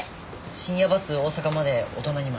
深夜バス大阪まで大人２枚。